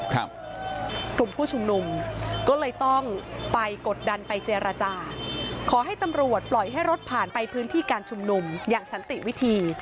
กลุ่มผู้ชุมนุมก็เลยต้องไปกดดันไปเจรจาขอให้ตำรวจปล่อยให้รถผ่านไปพื้นที่การชุมนุมอย่างสันติวิธี